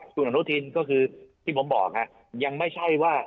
คุณอนุทินก็คือที่ผมบอกยังไม่ใช่ว่า